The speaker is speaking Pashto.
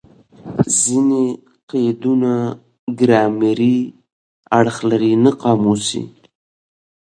ځیني قیدونه ګرامري اړخ لري؛ نه قاموسي.